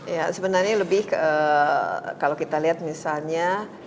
ya sebenarnya lebih kalau kita lihat misalnya